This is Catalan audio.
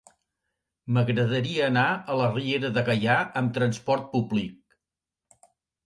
M'agradaria anar a la Riera de Gaià amb trasport públic.